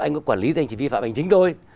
anh có quản lý anh chỉ vi phạm hành chính thôi